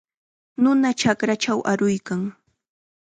Nuna chakrachaw aruykan.